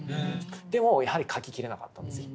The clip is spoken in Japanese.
でもうやはり描ききれなかったんですよ。